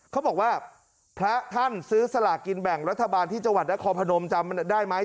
เขาบอกว่าพระท่านซื้อสลากินแบ่งรัฐบาลที่จังหวัดนครพนมจำได้ไหม